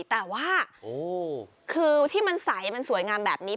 แต่ว่าคือที่มันใสมันสวยงามแบบนี้